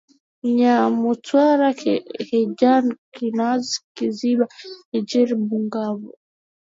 Kyamutwara Kihanja Kanazi Kiziba Ihangiro Bugabo